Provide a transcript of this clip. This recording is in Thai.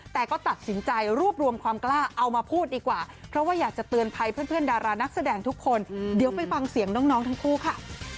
แต่ก็ตัดสินใจรวบรวมความกล้าเอามาพูดดีกว่าเพราะว่าอยากจะเตือนภัยเพื่อนดารานักแสดงทุกคนเดี๋ยวไปฟังเสียงน้องทั้งคู่ค่ะ